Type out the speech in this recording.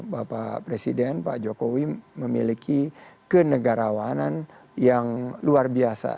bapak presiden pak jokowi memiliki kenegarawanan yang luar biasa